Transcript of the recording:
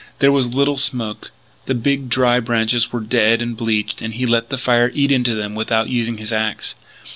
There was little smoke; the big dry branches were dead and bleached and he let the fire eat into them without using his axe.